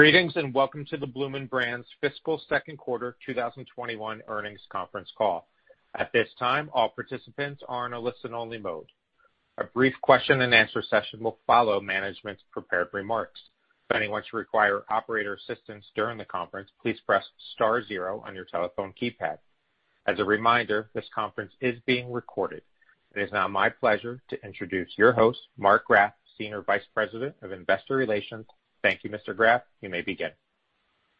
Greetings, and welcome to the Bloomin' Brands Fiscal Second Quarter 2021 Earnings Conference Call. It is now my pleasure to introduce your host, Mark Graff, Senior Vice President of Investor Relations. Thank you, Mr. Graff. You may begin.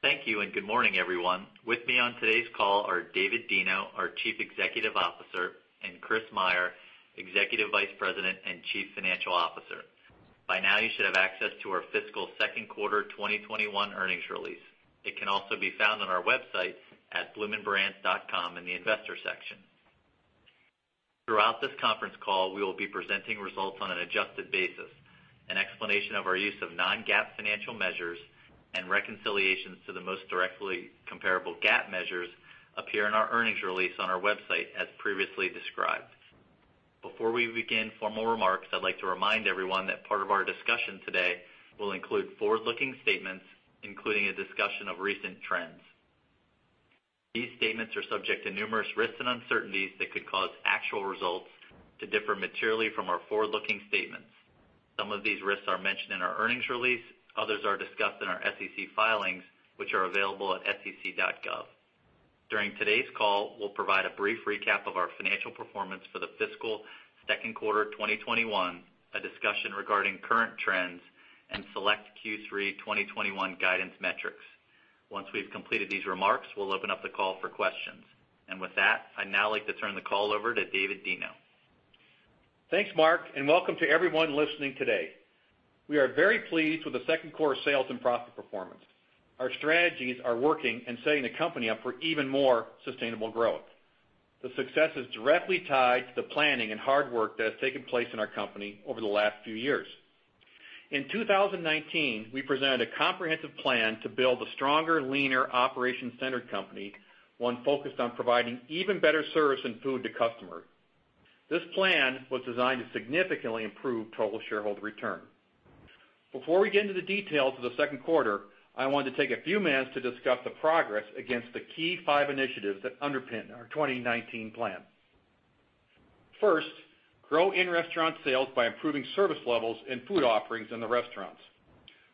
Thank you. Good morning, everyone. With me on today's call are David Deno, our Chief Executive Officer, and Chris Meyer, Executive Vice President and Chief Financial Officer. By now, you should have access to our fiscal second quarter 2021 earnings release. It can also be found on our website at bloominbrands.com in the investor section. Throughout this conference call, we will be presenting results on an adjusted basis. An explanation of our use of non-GAAP financial measures and reconciliations to the most directly comparable GAAP measures appear in our earnings release on our website, as previously described. Before we begin formal remarks, I'd like to remind everyone that part of our discussion today will include forward-looking statements, including a discussion of recent trends. These statements are subject to numerous risks and uncertainties that could cause actual results to differ materially from our forward-looking statements. Some of these risks are mentioned in our earnings release. Others are discussed in our SEC filings, which are available at sec.gov. During today's call, we'll provide a brief recap of our financial performance for the fiscal second quarter 2021, a discussion regarding current trends, and select Q3 2021 guidance metrics. Once we've completed these remarks, we'll open up the call for questions. With that, I'd now like to turn the call over to David Deno. Thanks, Mark, and welcome to everyone listening today. We are very pleased with the second quarter sales and profit performance. Our strategies are working and setting the company up for even more sustainable growth. The success is directly tied to the planning and hard work that has taken place in our company over the last few years. In 2019, we presented a comprehensive plan to build a stronger, leaner, operation-centered company, one focused on providing even better service and food to customers. This plan was designed to significantly improve total shareholder return. Before we get into the details of the second quarter, I want to take a few minutes to discuss the progress against the key five initiatives that underpin our 2019 plan. First, grow in-restaurant sales by improving service levels and food offerings in the restaurants.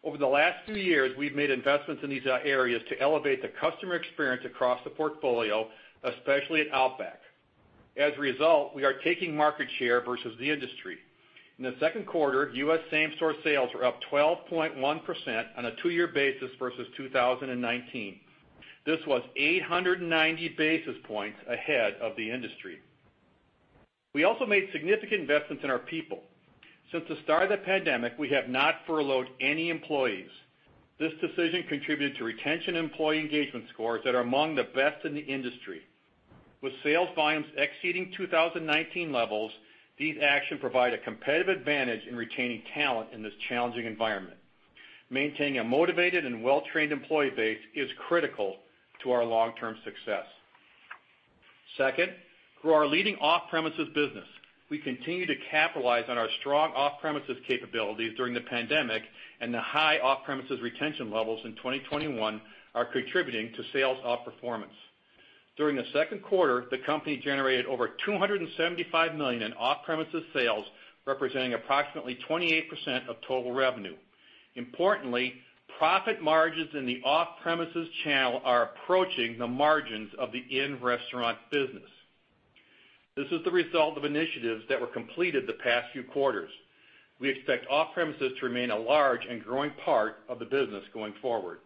Over the last few years, we've made investments in these areas to elevate the customer experience across the portfolio, especially at Outback. As a result, we are taking market share versus the industry. In the second quarter, U.S. same-store sales were up 12.1% on a two-year basis versus 2019. This was 890 basis points ahead of the industry. We also made significant investments in our people. Since the start of the pandemic, we have not furloughed any employees. This decision contributed to retention employee engagement scores that are among the best in the industry. With sales volumes exceeding 2019 levels, these actions provide a competitive advantage in retaining talent in this challenging environment. Maintaining a motivated and well-trained employee base is critical to our long-term success. Second, grow our leading off-premises business. We continue to capitalize on our strong off-premises capabilities during the pandemic, and the high off-premises retention levels in 2021 are contributing to sales outperformance. During the second quarter, the company generated over $275 million in off-premises sales, representing approximately 28% of total revenue. Importantly, profit margins in the off-premises channel are approaching the margins of the in-restaurant business. This is the result of initiatives that were completed the past few quarters. We expect off-premises to remain a large and growing part of the business going forward.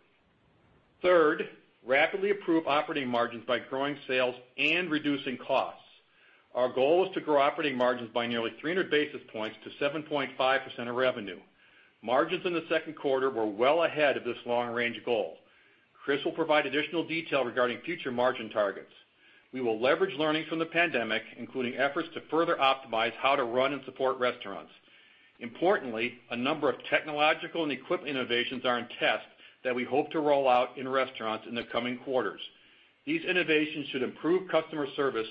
Third, rapidly improve operating margins by growing sales and reducing costs. Our goal is to grow operating margins by nearly 300 basis points to 7.5% of revenue. Margins in the second quarter were well ahead of this long-range goal. Chris will provide additional detail regarding future margin targets. We will leverage learnings from the pandemic, including efforts to further optimize how to run and support restaurants. Importantly, a number of technological and equipment innovations are in test that we hope to roll out in restaurants in the coming quarters. These innovations should improve customer service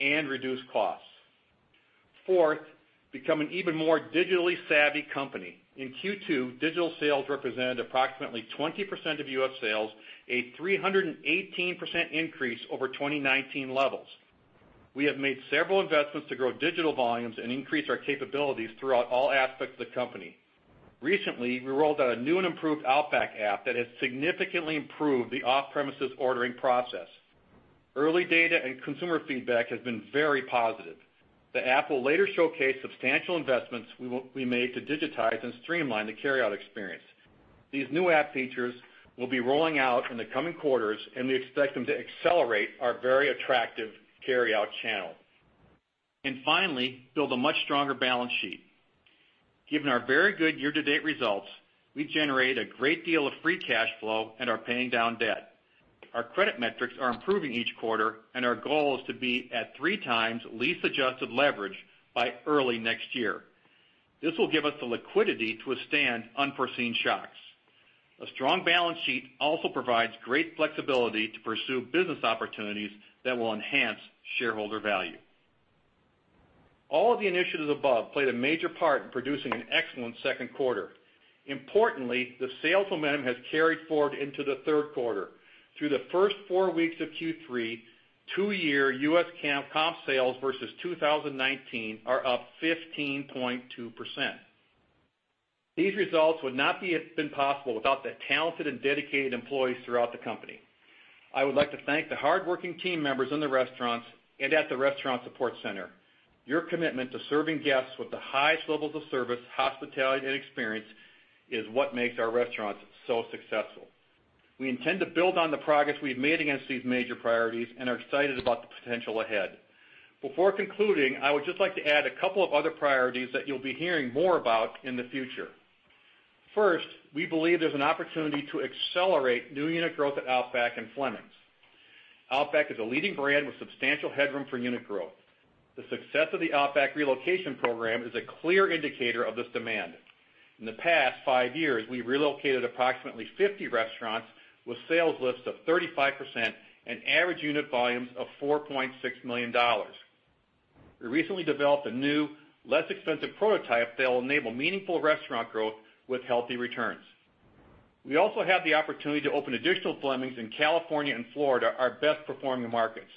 and reduce costs. Fourth, become an even more digitally savvy company. In Q2, digital sales represented approximately 20% of U.S. sales, a 318% increase over 2019 levels. We have made several investments to grow digital volumes and increase our capabilities throughout all aspects of the company. Recently, we rolled out a new and improved Outback app that has significantly improved the off-premises ordering process. Early data and consumer feedback has been very positive. The app will later showcase substantial investments we made to digitize and streamline the carryout experience. These new app features will be rolling out in the coming quarters, we expect them to accelerate our very attractive carryout channel. Finally, build a much stronger balance sheet. Given our very good year-to-date results, we generate a great deal of free cash flow and are paying down debt. Our credit metrics are improving each quarter, our goal is to be at 3x lease-adjusted leverage by early next year. This will give us the liquidity to withstand unforeseen shocks. A strong balance sheet also provides great flexibility to pursue business opportunities that will enhance shareholder value. All of the initiatives above played a major part in producing an excellent second quarter. Importantly, the sales momentum has carried forward into the third quarter. Through the first four weeks of Q3, two-year U.S. comp sales versus 2019 are up 15.2%. These results would not have been possible without the talented and dedicated employees throughout the company. I would like to thank the hardworking team members in the restaurants and at the restaurant support center. Your commitment to serving guests with the highest levels of service, hospitality, and experience is what makes our restaurants so successful. We intend to build on the progress we've made against these major priorities and are excited about the potential ahead. Before concluding, I would just like to add a couple of other priorities that you'll be hearing more about in the future. First, we believe there's an opportunity to accelerate new unit growth at Outback and Fleming's. Outback is a leading brand with substantial headroom for unit growth. The success of the Outback relocation program is a clear indicator of this demand. In the past five years, we've relocated approximately 50 restaurants with sales lifts of 35% and average unit volumes of $4.6 million. We recently developed a new, less expensive prototype that will enable meaningful restaurant growth with healthy returns. We also have the opportunity to open additional Fleming's in California and Florida, our best performing markets.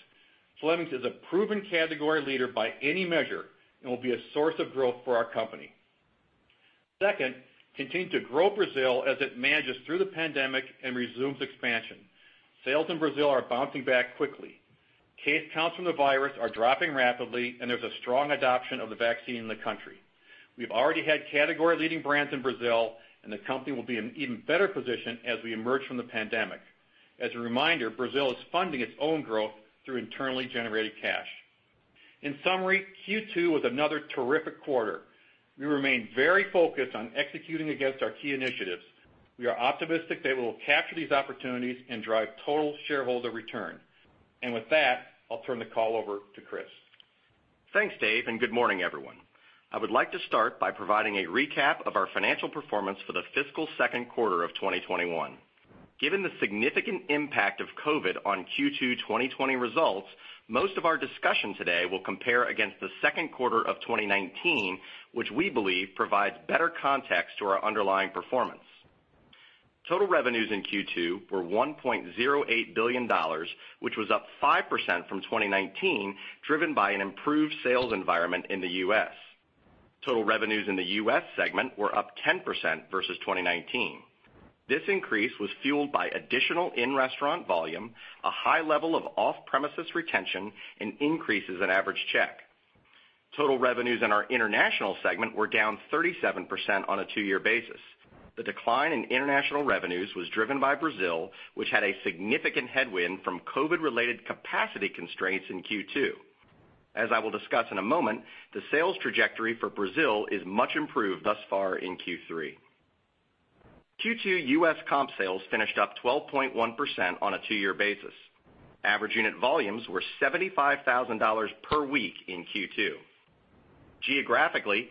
Fleming's is a proven category leader by any measure and will be a source of growth for our company. Second, continue to grow Brazil as it manages through the pandemic and resumes expansion. Sales in Brazil are bouncing back quickly. Case counts from the virus are dropping rapidly and there's a strong adoption of the vaccine in the country. We've already had category-leading brands in Brazil, and the company will be in even better position as we emerge from the pandemic. As a reminder, Brazil is funding its own growth through internally generated cash. In summary, Q2 was another terrific quarter. We remain very focused on executing against our key initiatives. We are optimistic that we'll capture these opportunities and drive total shareholder return. With that, I'll turn the call over to Chris. Thanks, David, and good morning, everyone. I would like to start by providing a recap of our financial performance for the fiscal second quarter of 2021. Given the significant impact of COVID on Q2 2020 results, most of our discussion today will compare against the second quarter of 2019, which we believe provides better context to our underlying performance. Total revenues in Q2 were $1.08 billion, which was up 5% from 2019, driven by an improved sales environment in the U.S. Total revenues in the U.S. segment were up 10% versus 2019. This increase was fueled by additional in-restaurant volume, a high level of off-premises retention, and increases in average check. Total revenues in our international segment were down 37% on a two-year basis. The decline in international revenues was driven by Brazil, which had a significant headwind from COVID-related capacity constraints in Q2. As I will discuss in a moment, the sales trajectory for Brazil is much improved thus far in Q3. Q2 U.S. comp sales finished up 12.1% on a two-year basis. Average unit volumes were $75,000 per week in Q2. Geographically,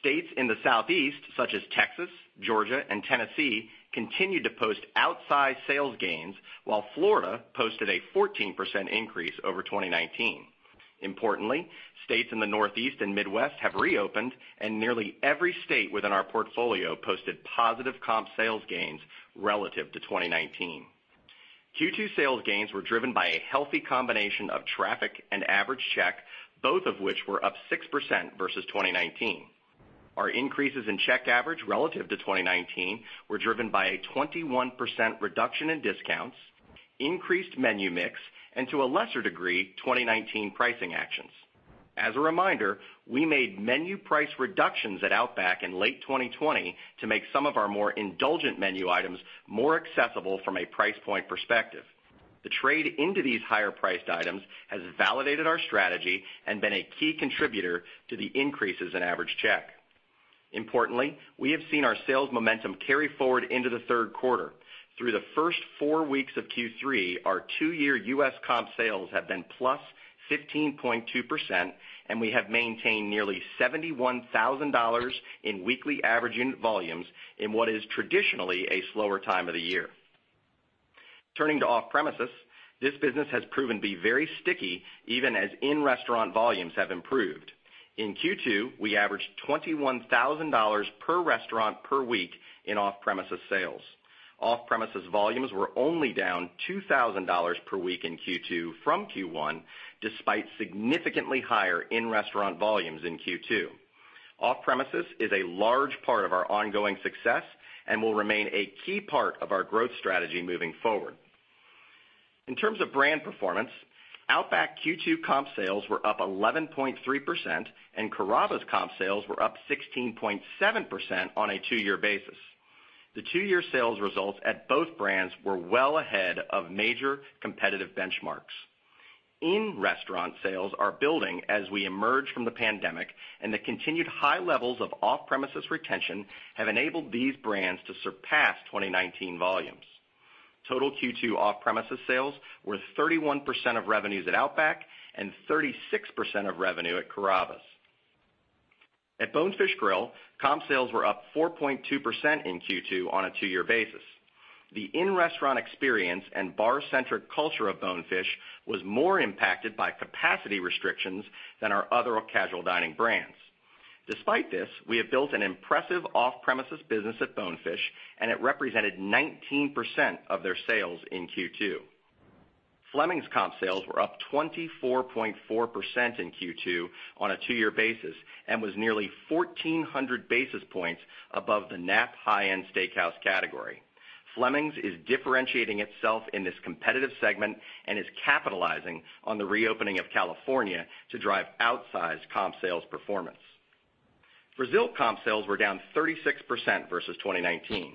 states in the Southeast, such as Texas, Georgia, and Tennessee, continued to post outsized sales gains, while Florida posted a 14% increase over 2019. Importantly, states in the Northeast and Midwest have reopened, and nearly every state within our portfolio posted positive comp sales gains relative to 2019. Q2 sales gains were driven by a healthy combination of traffic and average check, both of which were up 6% versus 2019. Our increases in check average relative to 2019 were driven by a 21% reduction in discounts, increased menu mix, and to a lesser degree, 2019 pricing actions. As a reminder, we made menu price reductions at Outback in late 2020 to make some of our more indulgent menu items more accessible from a price point perspective. The trade into these higher priced items has validated our strategy and been a key contributor to the increases in average check. Importantly, we have seen our sales momentum carry forward into the third quarter. Through the first four weeks of Q3, our two-year U.S. comp sales have been +15.2%, and we have maintained nearly $71,000 in weekly average unit volumes in what is traditionally a slower time of the year. Turning to off-premises, this business has proven to be very sticky, even as in-restaurant volumes have improved. In Q2, we averaged $21,000 per restaurant per week in off-premises sales. Off-premises volumes were only down $2,000 per week in Q2 from Q1, despite significantly higher in-restaurant volumes in Q2. Off-premises is a large part of our ongoing success and will remain a key part of our growth strategy moving forward. In terms of brand performance, Outback Q2 comp sales were up 11.3%, and Carrabba's comp sales were up 16.7% on a two-year basis. The two-year sales results at both brands were well ahead of major competitive benchmarks. In-restaurant sales are building as we emerge from the pandemic, and the continued high levels of off-premises retention have enabled these brands to surpass 2019 volumes. Total Q2 off-premises sales were 31% of revenues at Outback and 36% of revenue at Carrabba's. At Bonefish Grill, comp sales were up 4.2% in Q2 on a two-year basis. The in-restaurant experience and bar-centric culture of Bonefish was more impacted by capacity restrictions than our other casual dining brands. Despite this, we have built an impressive off-premises business at Bonefish, and it represented 19% of their sales in Q2. Fleming's comp sales were up 24.4% in Q2 on a two-year basis and was nearly 1,400 basis points above the Knapp high-end steakhouse category. Fleming's is differentiating itself in this competitive segment and is capitalizing on the reopening of California to drive outsized comp sales performance. Brazil comp sales were down 36% versus 2019.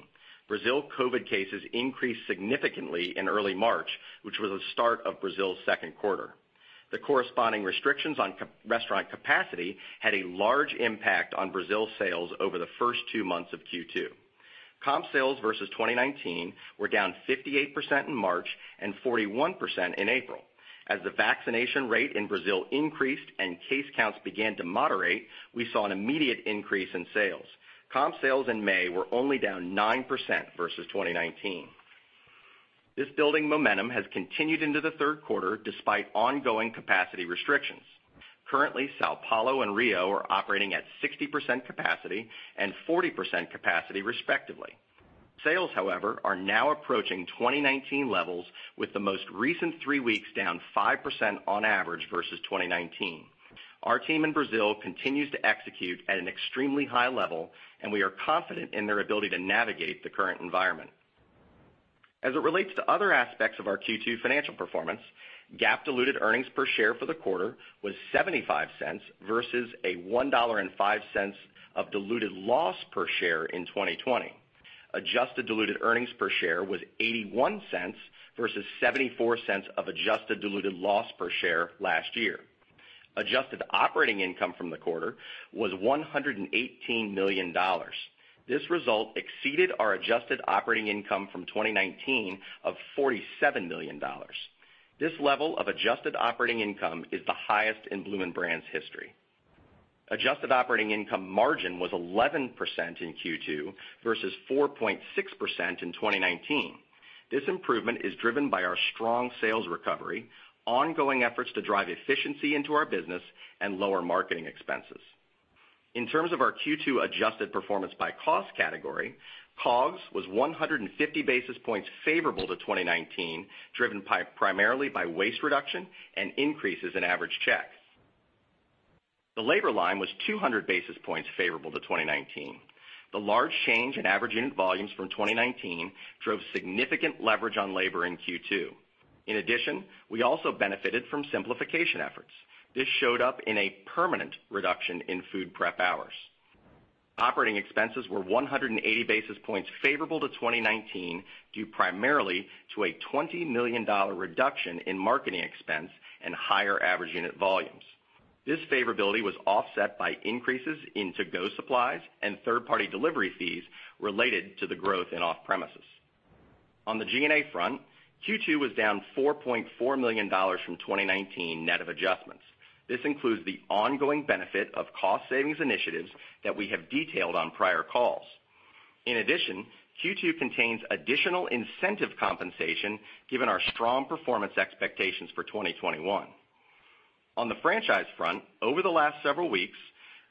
Brazil COVID cases increased significantly in early March, which was the start of Brazil's second quarter. The corresponding restrictions on restaurant capacity had a large impact on Brazil sales over the first two months of Q2. Comp sales versus 2019 were down 58% in March and 41% in April. As the vaccination rate in Brazil increased and case counts began to moderate, we saw an immediate increase in sales. Comp sales in May were only down 9% versus 2019. This building momentum has continued into the third quarter, despite ongoing capacity restrictions. Currently, São Paulo and Rio are operating at 60% capacity and 40% capacity respectively. Sales, however, are now approaching 2019 levels, with the most recent three weeks down 5% on average versus 2019. Our team in Brazil continues to execute at an extremely high level, and we are confident in their ability to navigate the current environment. As it relates to other aspects of our Q2 financial performance, GAAP diluted earnings per share for the quarter was $0.75 versus a $1.05 of diluted loss per share in 2020. Adjusted diluted earnings per share was $0.81 versus $0.74 of adjusted diluted loss per share last year. Adjusted operating income from the quarter was $118 million. This result exceeded our adjusted operating income from 2019 of $47 million. This level of adjusted operating income is the highest in Bloomin' Brands history. Adjusted operating income margin was 11% in Q2 versus 4.6% in 2019. This improvement is driven by our strong sales recovery, ongoing efforts to drive efficiency into our business, and lower marketing expenses. In terms of our Q2 adjusted performance by cost category, COGS was 150 basis points favorable to 2019, driven primarily by waste reduction and increases in average check. The labor line was 200 basis points favorable to 2019. The large change in average unit volumes from 2019 drove significant leverage on labor in Q2. In addition, we also benefited from simplification efforts. This showed up in a permanent reduction in food prep hours. Operating expenses were 180 basis points favorable to 2019, due primarily to a $20 million reduction in marketing expense and higher average unit volumes. This favorability was offset by increases in to-go supplies and third-party delivery fees related to the growth in off-premises. On the G&A front, Q2 was down $4.4 million from 2019, net of adjustments. This includes the ongoing benefit of cost savings initiatives that we have detailed on prior calls. In addition, Q2 contains additional incentive compensation given our strong performance expectations for 2021. On the franchise front, over the last several weeks,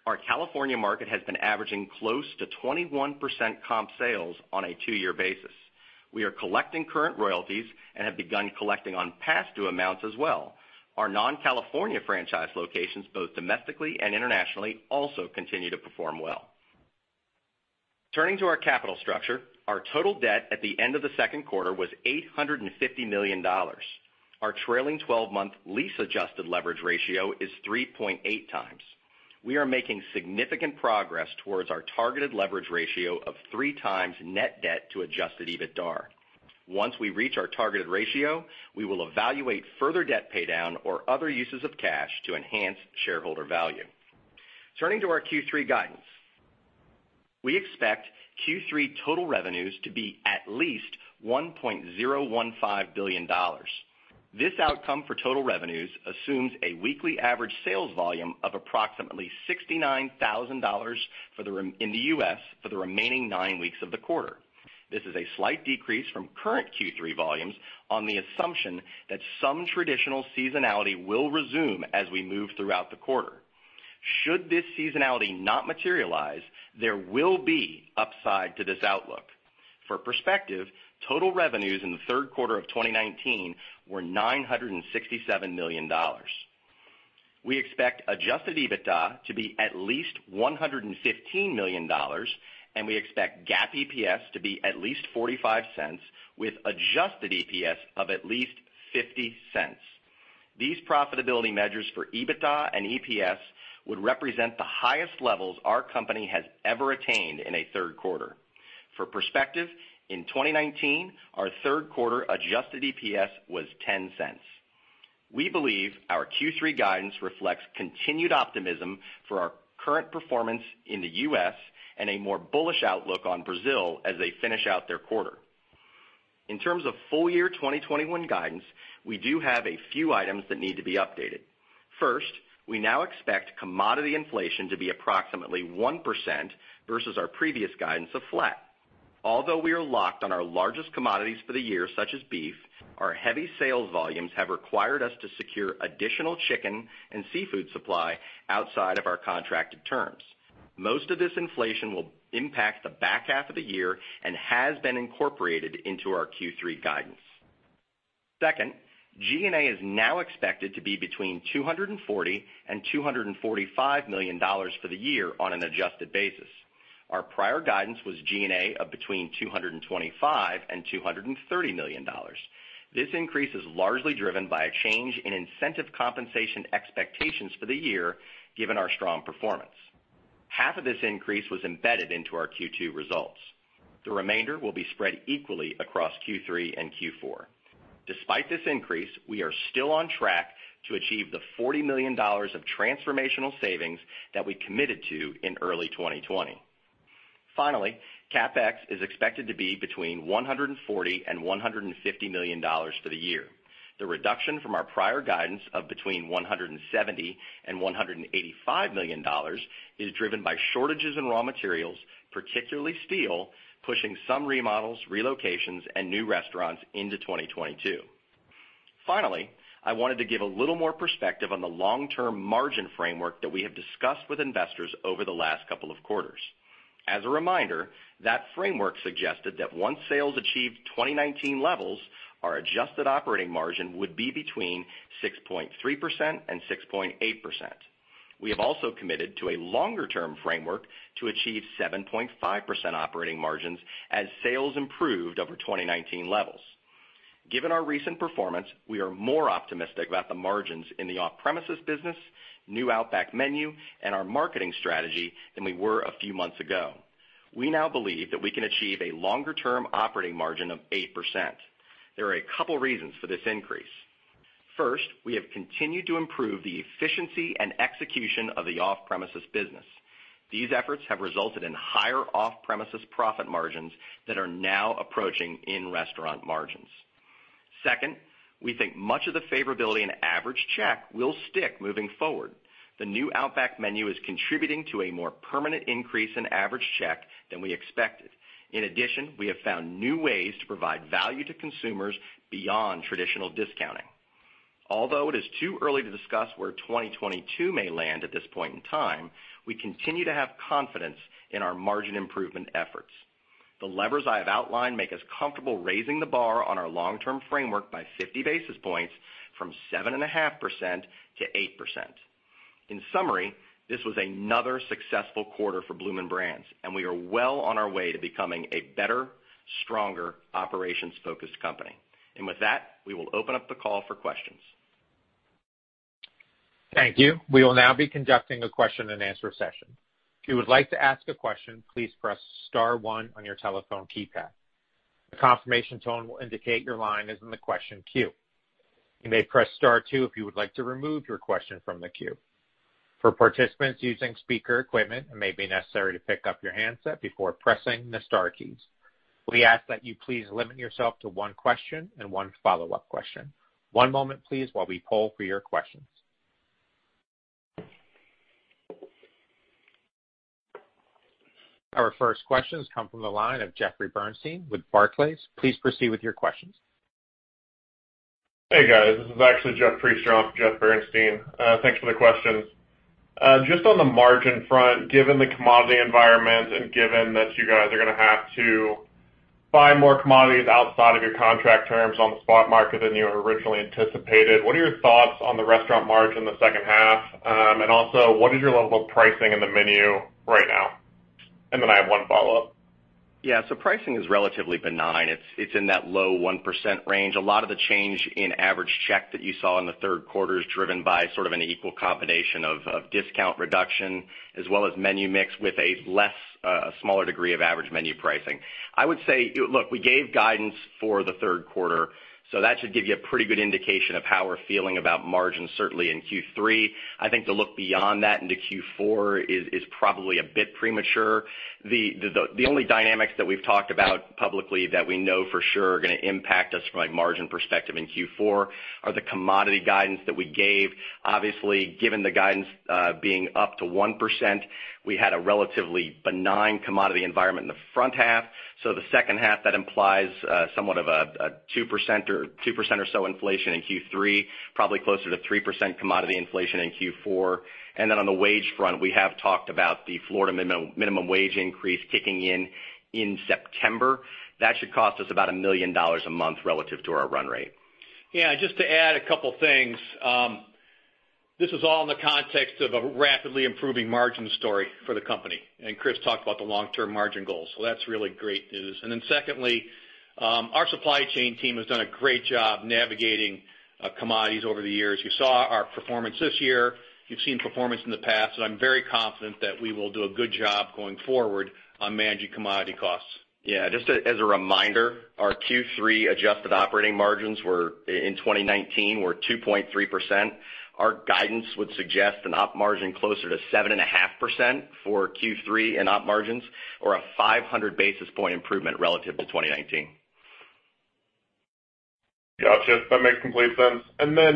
our California market has been averaging close to 21% comp sales on a two-year basis. We are collecting current royalties and have begun collecting on past due amounts as well. Our non-California franchise locations, both domestically and internationally, also continue to perform well. Turning to our capital structure, our total debt at the end of the second quarter was $850 million. Our trailing 12-month lease-adjusted leverage ratio is 3.8x. We are making significant progress towards our targeted leverage ratio of three times net debt to adjusted EBITDA. Once we reach our targeted ratio, we will evaluate further debt paydown or other uses of cash to enhance shareholder value. Turning to our Q3 guidance. We expect Q3 total revenues to be at least $1.015 billion. This outcome for total revenues assumes a weekly average sales volume of approximately $69,000 in the U.S. for the remaining nine weeks of the quarter. This is a slight decrease from current Q3 volumes on the assumption that some traditional seasonality will resume as we move throughout the quarter. Should this seasonality not materialize, there will be upside to this outlook. For perspective, total revenues in the third quarter of 2019 were $967 million. We expect adjusted EBITDA to be at least $115 million, and we expect GAAP EPS to be at least $0.45, with adjusted EPS of at least $0.50. These profitability measures for EBITDA and EPS would represent the highest levels our company has ever attained in a third quarter. For perspective, in 2019, our third quarter adjusted EPS was $0.10. We believe our Q3 guidance reflects continued optimism for our current performance in the U.S. and a more bullish outlook on Brazil as they finish out their quarter. In terms of full-year 2021 guidance, we do have a few items that need to be updated. First, we now expect commodity inflation to be approximately 1% versus our previous guidance of flat. Although we are locked on our largest commodities for the year, such as beef, our heavy sales volumes have required us to secure additional chicken and seafood supply outside of our contracted terms. Most of this inflation will impact the back half of the year and has been incorporated into our Q3 guidance. Second, G&A is now expected to be between $240 and $245 million for the year on an adjusted basis. Our prior guidance was G&A of between $225 and $230 million. This increase is largely driven by a change in incentive compensation expectations for the year, given our strong performance. Half of this increase was embedded into our Q2 results. The remainder will be spread equally across Q3 and Q4. Despite this increase, we are still on track to achieve the $40 million of transformational savings that we committed to in early 2020. Finally, CapEx is expected to be between $140 million and $150 million for the year. The reduction from our prior guidance of between $170 million and $185 million is driven by shortages in raw materials, particularly steel, pushing some remodels, relocations, and new restaurants into 2022. Finally, I wanted to give a little more perspective on the long-term margin framework that we have discussed with investors over the last couple of quarters. As a reminder, that framework suggested that once sales achieved 2019 levels, our adjusted operating margin would be between 6.3% and 6.8%. We have also committed to a longer-term framework to achieve 7.5% operating margins as sales improved over 2019 levels. Given our recent performance, we are more optimistic about the margins in the off-premises business, new Outback menu, and our marketing strategy than we were a few months ago. We now believe that we can achieve a longer-term operating margin of 8%. There are a couple reasons for this increase. First, we have continued to improve the efficiency and execution of the off-premises business. These efforts have resulted in higher off-premises profit margins that are now approaching in-restaurant margins. Second, we think much of the favorability in average check will stick moving forward. The new Outback menu is contributing to a more permanent increase in average check than we expected. In addition, we have found new ways to provide value to consumers beyond traditional discounting. Although it is too early to discuss where 2022 may land at this point in time, we continue to have confidence in our margin improvement efforts. The levers I have outlined make us comfortable raising the bar on our long-term framework by 50 basis points from 7.5% to 8%. In summary, this was another successful quarter for Bloomin' Brands, and we are well on our way to becoming a better, stronger, operations-focused company. With that, we will open up the call for questions. Thank you. Our first questions come from the line of Jeffrey Bernstein with Barclays. Please proceed with your questions. Hey, guys. This is actually Jeff Priester, Jeffrey Bernstein. Thanks for the questions. Just on the margin front, given the commodity environment and given that you guys are going to have to buy more commodities outside of your contract terms on the spot market than you originally anticipated, what are your thoughts on the restaurant margin in the second half? Also, what is your level of pricing in the menu right now? Then I have one follow-up. Yeah, pricing is relatively benign. It's in that low 1% range. A lot of the change in average check that you saw in the third quarter is driven by sort of an equal combination of discount reduction as well as menu mix with a smaller degree of average menu pricing. I would say, look, we gave guidance for the third quarter, that should give you a pretty good indication of how we're feeling about margins, certainly in Q3. I think to look beyond that into Q4 is probably a bit premature. The only dynamics that we've talked about publicly that we know for sure are going to impact us from a margin perspective in Q4 are the commodity guidance that we gave. Obviously, given the guidance being up to 1%, we had a relatively benign commodity environment in the front half. The second half, that implies somewhat of a 2% or so inflation in Q3. Probably closer to 3% commodity inflation in Q4. On the wage front, we have talked about the Florida minimum wage increase kicking in in September. That should cost us about $1 million a month relative to our run rate. Just to add a couple things. This is all in the context of a rapidly improving margin story for the company, and Chris talked about the long-term margin goals. That's really great news. Secondly, our supply chain team has done a great job navigating commodities over the years. You saw our performance this year. You've seen performance in the past, and I'm very confident that we will do a good job going forward on managing commodity costs. Yeah, just as a reminder, our Q3 adjusted operating margins in 2019 were 2.3%. Our guidance would suggest an op margin closer to 7.5% for Q3 in op margins or a 500 basis point improvement relative to 2019. Gotcha. That makes complete sense.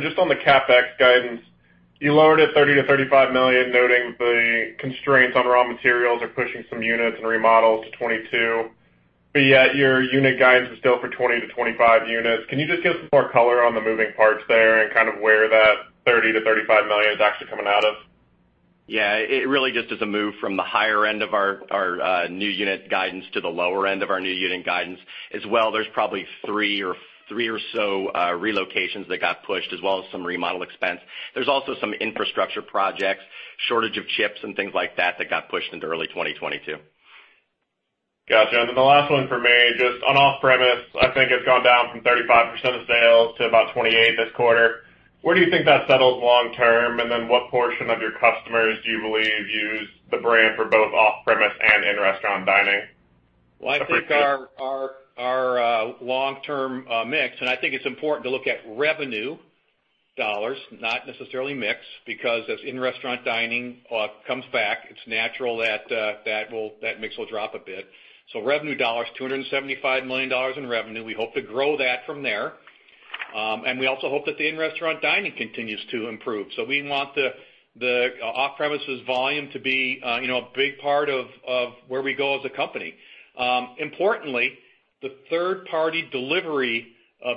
Just on the CapEx guidance, you lowered it $30 million to $35 million, noting the constraints on raw materials are pushing some units and remodels to 2022. Your unit guidance is still for 20-25 units. Can you just give us some more color on the moving parts there and kind of where that $30 million to $35 million is actually coming out of? It really just is a move from the higher end of our new unit guidance to the lower end of our new unit guidance. As well, there's probably three or so relocations that got pushed, as well as some remodel expense. There's also some infrastructure projects, shortage of chips and things like that got pushed into early 2022. Gotcha. Then the last one from me, just on off-premise, I think it's gone down from 35% of sales to about 28 this quarter. Where do you think that settles long term? Then what portion of your customers do you believe use the brand for both off-premise and in-restaurant dining? Well, I think our long-term mix, and I think it's important to look at revenue dollars, not necessarily mix, because as in-restaurant dining comes back, it's natural that mix will drop a bit. Revenue dollars, $275 million in revenue. We hope to grow that from there. We also hope that the in-restaurant dining continues to improve. We want the off-premises volume to be a big part of where we go as a company. Importantly, the third-party delivery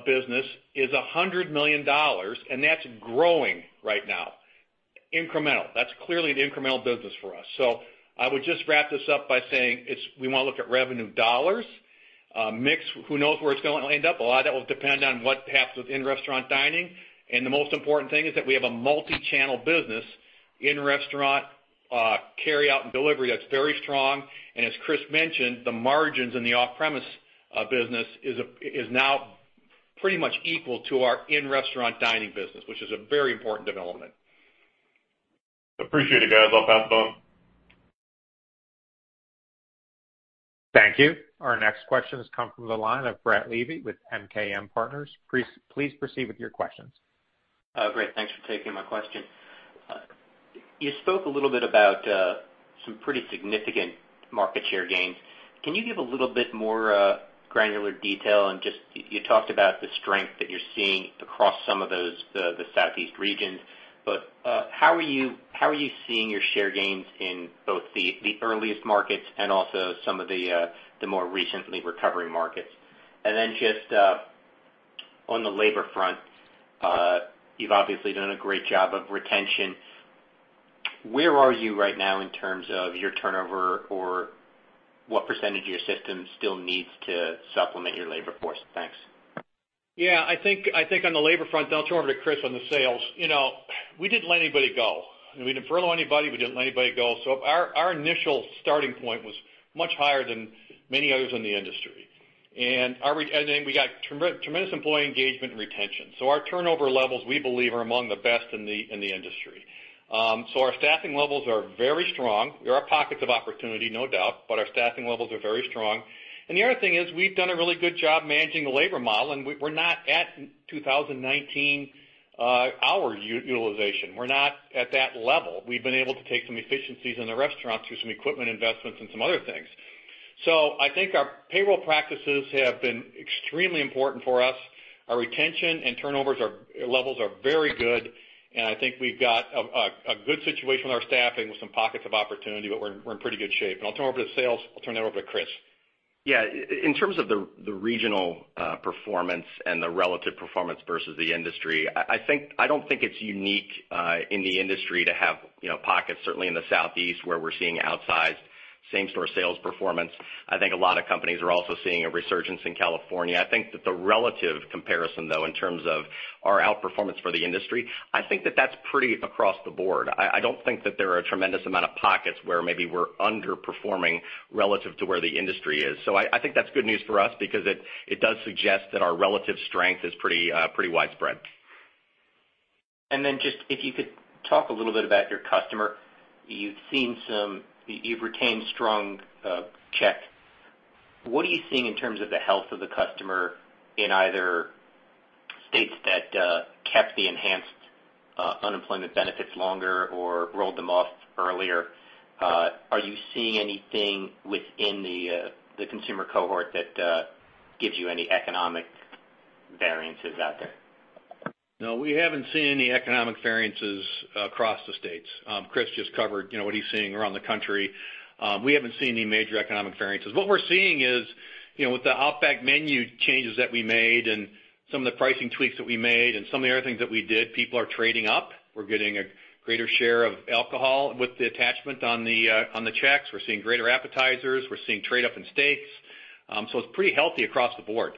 business is $100 million, and that's growing right now. Incremental. That's clearly an incremental business for us. I would just wrap this up by saying, we want to look at revenue dollars. Mix, who knows where it's going to end up. A lot of that will depend on what happens with in-restaurant dining. The most important thing is that we have a multi-channel business in-restaurant, carryout, and delivery that's very strong. As Chris mentioned, the margins in the off-premise business is now pretty much equal to our in-restaurant dining business, which is a very important development. Appreciate it, guys. I'll pass the phone. Thank you. Our next question has come from the line of Brett Levy with MKM Partners. Please proceed with your questions. Great. Thanks for taking my question. You spoke a little bit about some pretty significant market share gains. Can you give a little bit more granular detail on just, you talked about the strength that you're seeing across some of those, the Southeast regions. How are you seeing your share gains in both the earliest markets and also some of the more recently recovering markets? Then just on the labor front, you've obviously done a great job of retention. Where are you right now in terms of your turnover or what percentage of your system still needs to supplement your labor force? Thanks. I think on the labor front, I'll turn over to Chris on the sales. We didn't let anybody go. We didn't furlough anybody. We didn't let anybody go. Our initial starting point was much higher than many others in the industry. We got tremendous employee engagement and retention. Our turnover levels, we believe, are among the best in the industry. Our staffing levels are very strong. There are pockets of opportunity, no doubt, but our staffing levels are very strong. The other thing is we've done a really good job managing the labor model, and we're not at 2019 hour utilization. We're not at that level. We've been able to take some efficiencies in the restaurants through some equipment investments and some other things. I think our payroll practices have been extremely important for us. Our retention and turnover levels are very good, and I think we've got a good situation with our staffing with some pockets of opportunity, but we're in pretty good shape. I'll turn over to sales. I'll turn that over to Chris. In terms of the regional performance and the relative performance versus the industry, I don't think it's unique in the industry to have pockets, certainly in the Southeast, where we're seeing outsized same-store sales performance. I think a lot of companies are also seeing a resurgence in California. I think that the relative comparison, though, in terms of our outperformance for the industry, I think that that's pretty across the board. I don't think that there are a tremendous amount of pockets where maybe we're underperforming relative to where the industry is. I think that's good news for us because it does suggest that our relative strength is pretty widespread. Just if you could talk a little bit about your customer. You've retained strong check. What are you seeing in terms of the health of the customer in either states that kept the enhanced unemployment benefits longer or rolled them off earlier? Are you seeing anything within the consumer cohort that gives you any economic variances out there? No, we haven't seen any economic variances across the states. Chris just covered what he's seeing around the country. We haven't seen any major economic variances. What we're seeing is with the Outback menu changes that we made and some of the pricing tweaks that we made and some of the other things that we did, people are trading up. We're getting a greater share of alcohol with the attachment on the checks. We're seeing greater appetizers. We're seeing trade up in steaks. So it's pretty healthy across the board.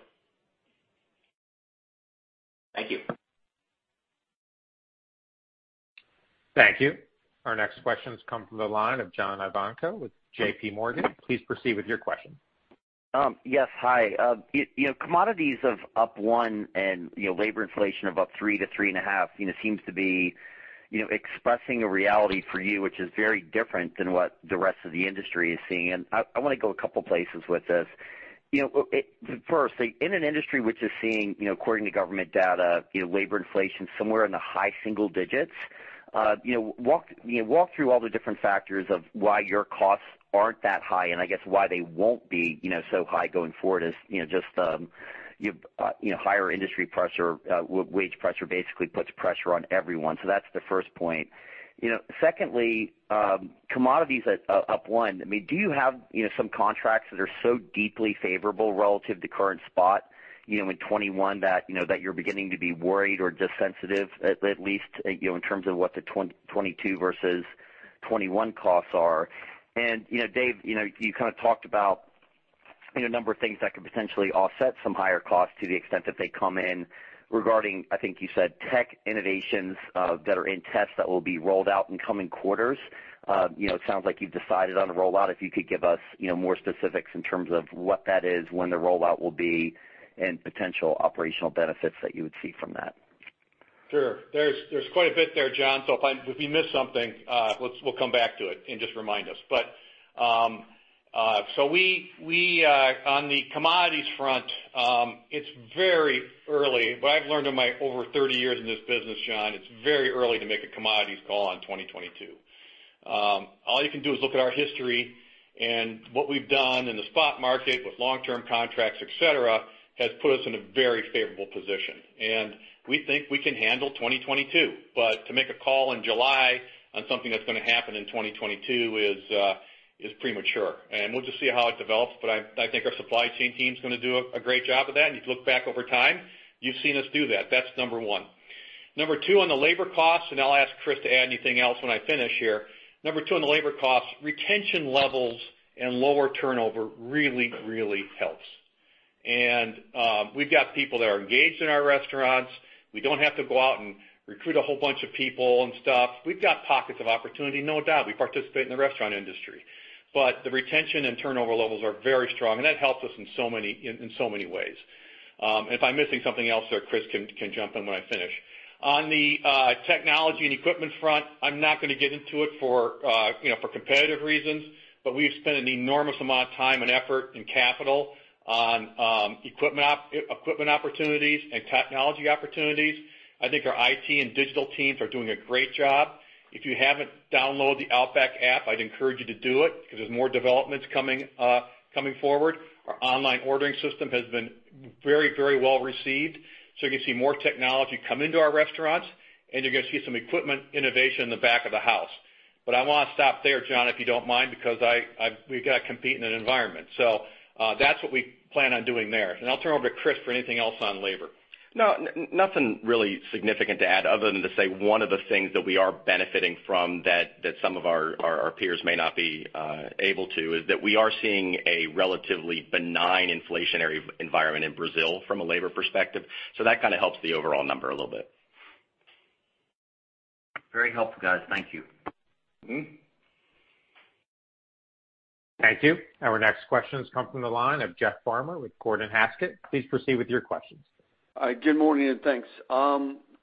Thank you. Thank you. Our next question has come from the line of John Ivankoe with JPMorgan. Please proceed with your question. Yes. Hi. Commodities of up 1% and labor inflation of up 3% to 3.5% seems to be expressing a reality for you, which is very different than what the rest of the industry is seeing. I want to go two places with this. First, in an industry which is seeing, according to government data, labor inflation somewhere in the high single digits. Walk through all the different factors of why your costs aren't that high, and I guess why they won't be so high going forward as just higher industry pressure, wage pressure basically puts pressure on everyone. That's the 1st point. 2nd, commodities up 1%. Do you have some contracts that are so deeply favorable relative to current spot in 2021 that you're beginning to be worried or just sensitive at least in terms of what the 2022 versus 2021 costs are? David, you talked about a number of things that could potentially offset some higher costs to the extent that they come in regarding, I think you said, tech innovations that are in tests that will be rolled out in coming quarters. It sounds like you've decided on the rollout. If you could give us more specifics in terms of what that is, when the rollout will be, and potential operational benefits that you would see from that? Sure. There's quite a bit there, John, so if we miss something, we'll come back to it and just remind us. On the commodities front, it's very early. What I've learned in my over 30 years in this business, John, it's very early to make a commodities call on 2022. All you can do is look at our history and what we've done in the spot market with long-term contracts, et cetera, has put us in a very favorable position. We think we can handle 2022. To make a call in July on something that's going to happen in 2022 is premature. We'll just see how it develops, but I think our supply chain team is going to do a great job of that. You can look back over time, you've seen us do that. That's number one. Number two on the labor costs, I'll ask Chris to add anything else when I finish here. Number two on the labor costs, retention levels and lower turnover really helps. We've got people that are engaged in our restaurants. We don't have to go out and recruit a whole bunch of people and stuff. We've got pockets of opportunity, no doubt. We participate in the restaurant industry. The retention and turnover levels are very strong, and that helps us in so many ways. If I'm missing something else there, Chris can jump in when I finish. On the technology and equipment front, I'm not going to get into it for competitive reasons, but we've spent an enormous amount of time and effort and capital on equipment opportunities and technology opportunities. I think our IT and digital teams are doing a great job. If you haven't downloaded the Outback app, I'd encourage you to do it because there's more developments coming forward. Our online ordering system has been very well received. You can see more technology come into our restaurants, and you're going to see some equipment innovation in the back of the house. I want to stop there, John, if you don't mind, because we've got to compete in an environment. That's what we plan on doing there. I'll turn it over to Chris for anything else on labor. No, nothing really significant to add other than to say one of the things that we are benefiting from that some of our peers may not be able to, is that we are seeing a relatively benign inflationary environment in Brazil from a labor perspective. That kind of helps the overall number a little bit. Very helpful, guys. Thank you. Thank you. Our next question has come from the line of Jeff Farmer with Gordon Haskett. Please proceed with your questions. Good morning, and thanks.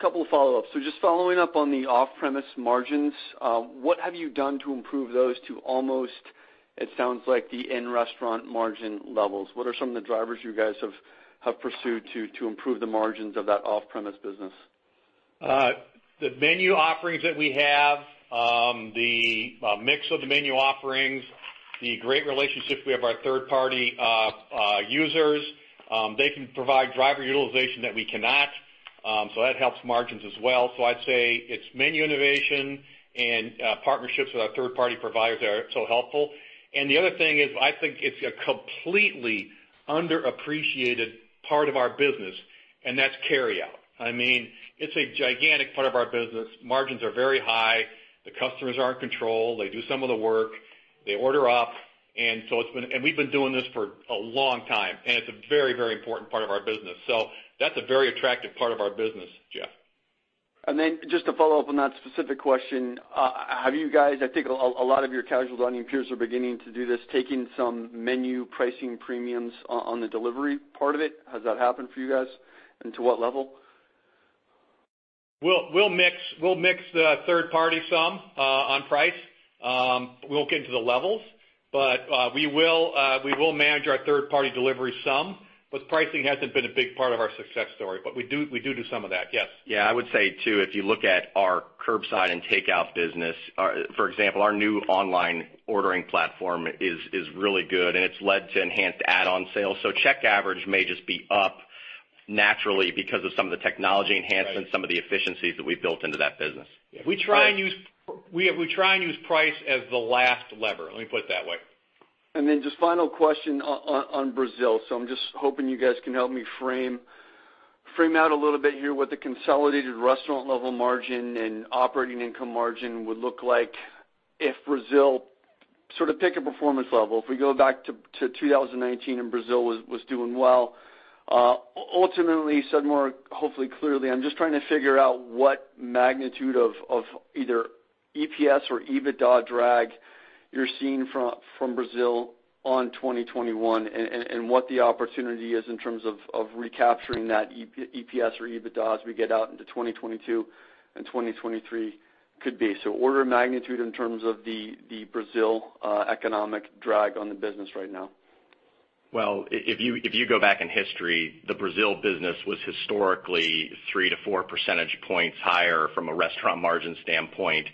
Couple of follow-ups. Just following up on the off-premise margins, what have you done to improve those to almost, it sounds like the in-restaurant margin levels? What are some of the drivers you guys have pursued to improve the margins of that off-premise business? The menu offerings that we have, the mix of the menu offerings, the great relationships we have with our third-party users. They can provide driver utilization that we cannot. That helps margins as well. I'd say it's menu innovation and partnerships with our third-party providers that are so helpful. The other thing is, I think it's a completely underappreciated part of our business, and that's carryout. It's a gigantic part of our business. Margins are very high. The customers are in control. They do some of the work. They order up. We've been doing this for a long time, and it's a very important part of our business. That's a very attractive part of our business, Jeff. Just to follow up on that specific question, have you guys, I think a lot of your casual dining peers are beginning to do this, taking some menu pricing premiums on the delivery part of it? Has that happened for you guys? To what level? We'll mix the third party some on price. We won't get into the levels, but we will manage our third-party delivery some, but pricing hasn't been a big part of our success story, but we do some of that, yes. Yeah, I would say, too, if you look at our curbside and takeout business, for example, our new online ordering platform is really good, and it's led to enhanced add-on sales. Check average may just be up naturally because of some of the technology enhancements, some of the efficiencies that we've built into that business. We try and use price as the last lever. Let me put it that way. Just final question on Brazil. I'm just hoping you guys can help me frame out a little bit here what the consolidated restaurant level margin and operating income margin would look like if Brazil sort of pick a performance level. If we go back to 2019 and Brazil was doing well. Ultimately, said more hopefully clearly, I'm just trying to figure out what magnitude of either EPS or EBITDA drag you're seeing from Brazil on 2021 and what the opportunity is in terms of recapturing that EPS or EBITDA as we get out into 2022 and 2023 could be. Order of magnitude in terms of the Brazil economic drag on the business right now. If you go back in history, the Brazil business was historically 3%-4% points higher from a restaurant margin standpoint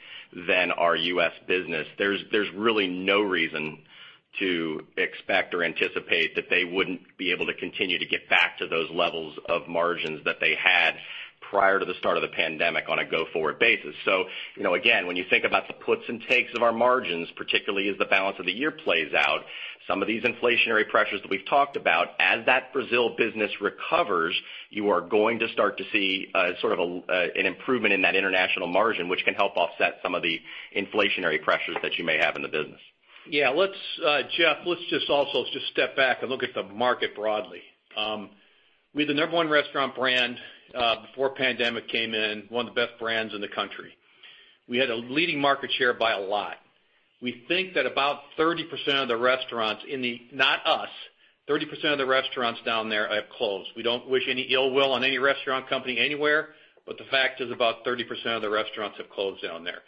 than our U.S. business. There's really no reason to expect or anticipate that they wouldn't be able to continue to get back to those levels of margins that they had prior to the start of the pandemic on a go-forward basis. Again, when you think about the puts and takes of our margins, particularly as the balance of the year plays out, some of these inflationary pressures that we've talked about, as that Brazil business recovers, you are going to start to see sort of an improvement in that international margin, which can help offset some of the inflationary pressures that you may have in the business. Yeah. Jeff, let's just also just step back and look at the market broadly. We had the number 1 restaurant brand before pandemic came in, one of the best brands in the country. We had a leading market share by a lot. We think that about 30% of the restaurants, not us, 30% of the restaurants down there have closed. We don't wish any ill will on any restaurant company anywhere, the fact is about 30% of the restaurants have closed down there.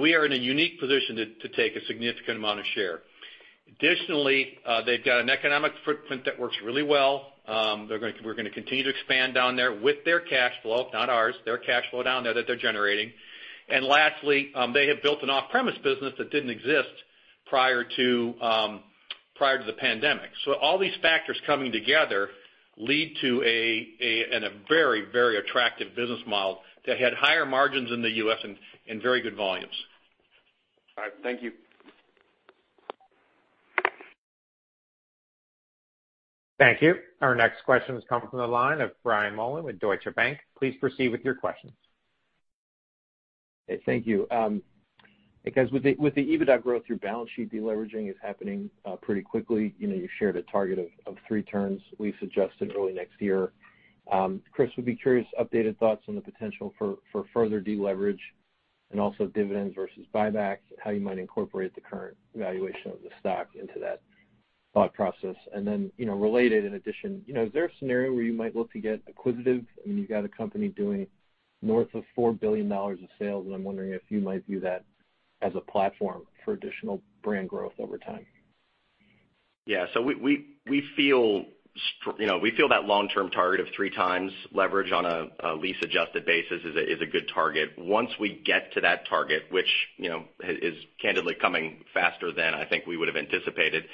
We are in a unique position to take a significant amount of share. Additionally, they've got an economic footprint that works really well. We're going to continue to expand down there with their cash flow, not ours, their cash flow down there that they're generating. Lastly, they have built an off-premise business that didn't exist prior to the pandemic. All these factors coming together lead to a very attractive business model that had higher margins in the U.S. and very good volumes. All right. Thank you. Thank you. Our next question is coming from the line of Brian Mullan with Deutsche Bank. Please proceed with your questions. Hey, thank you. Hey, guys. With the EBITDA growth, your balance sheet de-leveraging is happening pretty quickly. You shared a target of three turns, lease adjusted early next year. Chris, would be curious, updated thoughts on the potential for further de-leverage and also dividends versus buybacks, how you might incorporate the current valuation of the stock into that thought process. Related in addition, is there a scenario where you might look to get acquisitive? I mean, you've got a company doing north of $4 billion of sales, and I'm wondering if you might view that as a platform for additional brand growth over time. We feel that long-term target of 3x leverage on a lease-adjusted basis is a good target. Once we get to that target, which is candidly coming faster than I think we would've anticipated,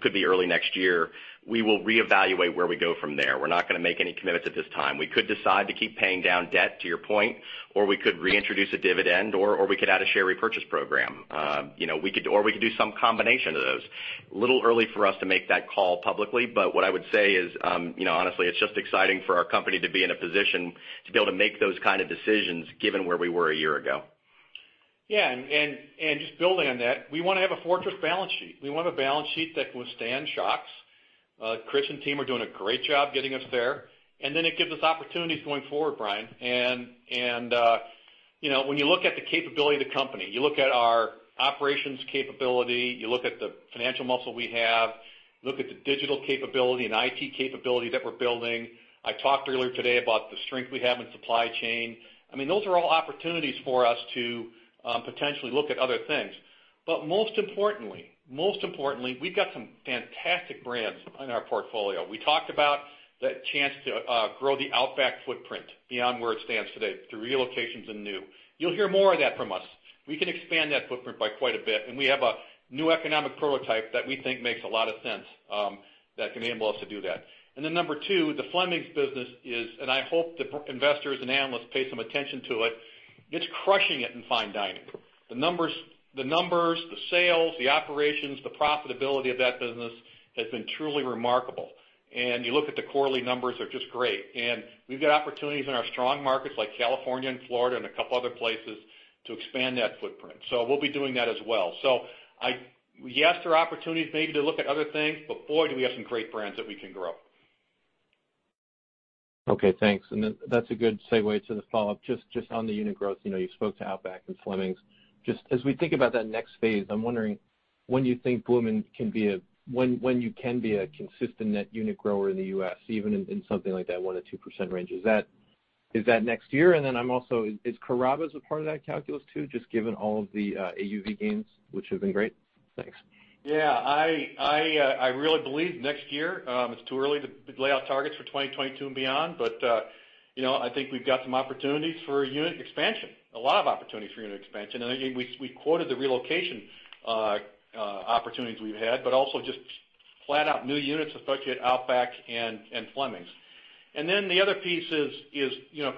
could be early next year, we will reevaluate where we go from there. We're not going to make any commitments at this time. We could decide to keep paying down debt, to your point, or we could reintroduce a dividend, or we could add a share repurchase program. We could do some combination of those. A little early for us to make that call publicly, but what I would say is, honestly, it's just exciting for our company to be in a position to be able to make those kind of decisions given where we were a year ago. Yeah. Just building on that, we want to have a fortress balance sheet. We want a balance sheet that can withstand shocks. Chris and team are doing a great job getting us there. Then it gives us opportunities going forward, Brian. When you look at the capability of the company, you look at our operations capability, you look at the financial muscle we have, look at the digital capability and IT capability that we're building. I talked earlier today about the strength we have in supply chain. Those are all opportunities for us to potentially look at other things. Most importantly, we've got some fantastic brands in our portfolio. We talked about that chance to grow the Outback footprint beyond where it stands today, through relocations and new. You'll hear more of that from us. We can expand that footprint by quite a bit, and we have a new economic prototype that we think makes a lot of sense, that can enable us to do that. Number two, the Fleming's business is, and I hope the investors and analysts pay some attention to it's crushing it in fine dining. The numbers, the sales, the operations, the profitability of that business has been truly remarkable. You look at the quarterly numbers, they're just great. We've got opportunities in our strong markets like California and Florida and a couple other places to expand that footprint. We'll be doing that as well. Yes, there are opportunities maybe to look at other things, but boy, do we have some great brands that we can grow. Okay, thanks. That's a good segue to the follow-up. Just on the unit growth, you spoke to Outback and Fleming's. Just as we think about that next phase, I'm wondering when you think Bloomin' Brands can be a consistent net unit grower in the U.S., even in something like that, 1%-2% range. Is that next year? I'm also, is Carrabba's a part of that calculus too, just given all of the AUV gains, which have been great? Thanks. Yeah. I really believe next year. It's too early to lay out targets for 2022 and beyond. I think we've got some opportunities for unit expansion, a lot of opportunities for unit expansion. We quoted the relocation opportunities we've had, but also just flat out new units, especially at Outback and Fleming's. The other piece is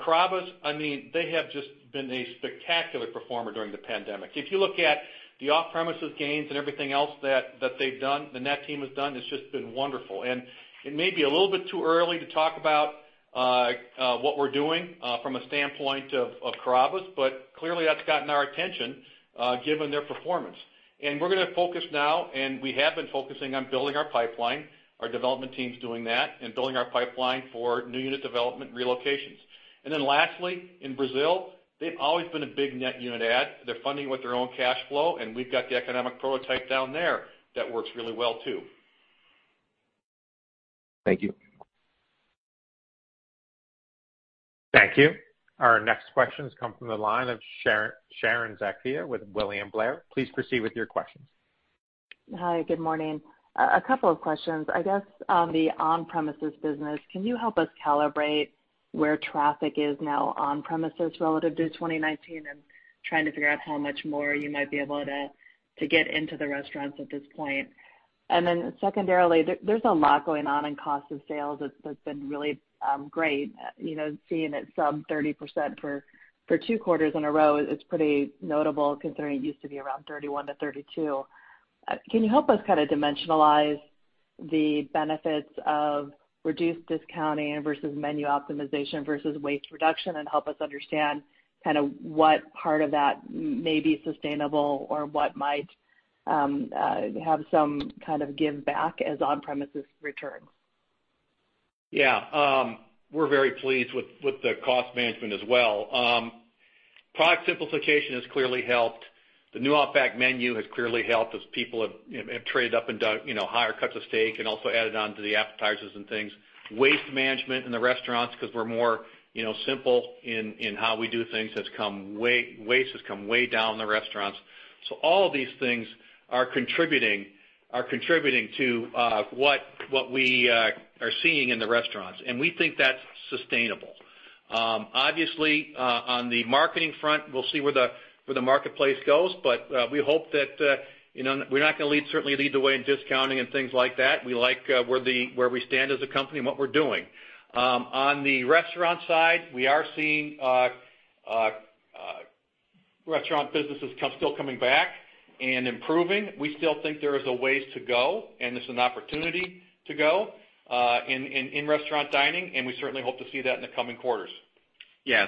Carrabba's, they have just been a spectacular performer during the pandemic. If you look at the off-premises gains and everything else that they've done, the net team has done, it's just been wonderful. It may be a little bit too early to talk about what we're doing from a standpoint of Carrabba's, but clearly that's gotten our attention, given their performance. We're going to focus now, and we have been focusing on building our pipeline. Our development team's doing that, building our pipeline for new unit development relocations. Lastly, in Brazil, they've always been a big net unit add. They're funding with their own cash flow, and we've got the economic prototype down there that works really well, too. Thank you. Thank you. Our next questions come from the line of Sharon Zackfia with William Blair. Please proceed with your questions. Hi, good morning. A couple of questions. I guess on the on-premises business, can you help us calibrate where traffic is now on-premises relative to 2019 and trying to figure out how much more you might be able to get into the restaurants at this point? Secondarily, there's a lot going on in cost of sales that's been really great, seeing it sub 30% for two quarters in a row is pretty notable considering it used to be around 31%-32%. Can you help us dimensionalize the benefits of reduced discounting versus menu optimization versus waste reduction and help us understand what part of that may be sustainable or what might have some kind of give back as on-premises returns? Yeah. We're very pleased with the cost management as well. Product simplification has clearly helped. The new Outback menu has clearly helped as people have traded up and done higher cuts of steak and also added on to the appetizers and things. Waste management in the restaurants because we're more simple in how we do things, waste has come way down in the restaurants. All of these things are contributing to what we are seeing in the restaurants, and we think that's sustainable. Obviously, on the marketing front, we'll see where the marketplace goes. We hope that we're not going to certainly lead the way in discounting and things like that. We like where we stand as a company and what we're doing. On the restaurant side, we are seeing restaurant businesses still coming back and improving. We still think there is a ways to go, and this is an opportunity to go in restaurant dining, and we certainly hope to see that in the coming quarters. Yeah.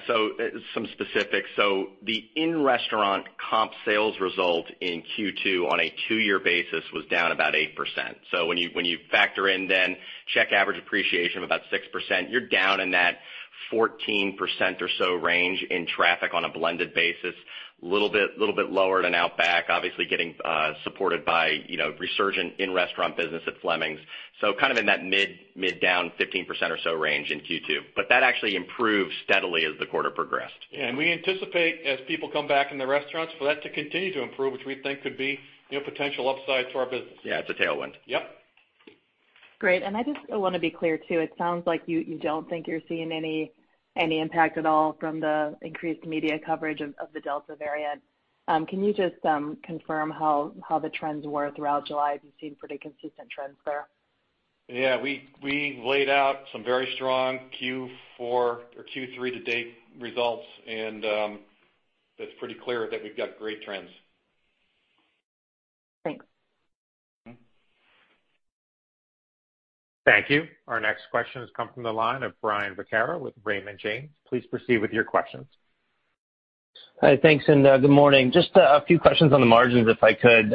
Some specifics. The in-restaurant comp sales result in Q2 on a two-year basis was down about 8%. When you factor in then check average appreciation of about 6%, you're down in that 14% or so range in traffic on a blended basis, little bit lower than Outback, obviously getting supported by resurgent in-restaurant business at Fleming's. Kind of in that mid down 15% or so range in Q2. That actually improved steadily as the quarter progressed. Yeah. We anticipate as people come back in the restaurants for that to continue to improve, which we think could be potential upside to our business. Yeah, it's a tailwind. Yep. Great. I just want to be clear too. It sounds like you don't think you're seeing any impact at all from the increased media coverage of the Delta variant. Can you just confirm how the trends were throughout July? Have you seen pretty consistent trends there? Yeah. We laid out some very strong Q4 or Q3 to date results, and it's pretty clear that we've got great trends. Thanks. Thank you. Our next question has come from the line of Brian Vaccaro with Raymond James. Please proceed with your questions. Hi, thanks, and good morning. Just a few questions on the margins, if I could.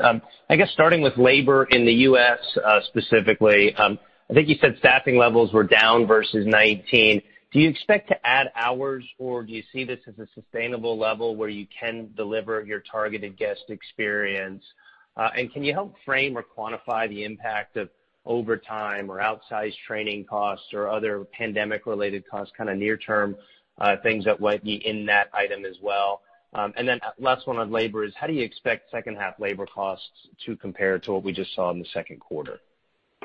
I guess starting with labor in the U.S., specifically. I think you said staffing levels were down versus 2019. Do you expect to add hours, or do you see this as a sustainable level where you can deliver your targeted guest experience? Can you help frame or quantify the impact of overtime or outsized training costs or other pandemic-related costs, kind of near-term things that went in that item as well? Then last one on labor is how do you expect second half labor costs to compare to what we just saw in the second quarter?